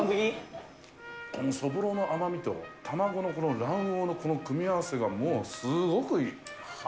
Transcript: このそぼろの甘みと卵のこの卵黄のこの組み合わせが、もうすごくいい。